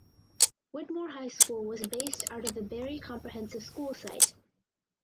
Whitmore High School was based out of the Barry Comprehensive School site.